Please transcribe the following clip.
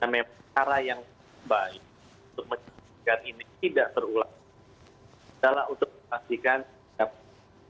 dan memang cara yang baik untuk menjaga ini tidak terulang